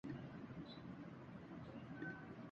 ادیب سیاسی تحریکوں میں متحرک تھے اور اگر نہیں تھے۔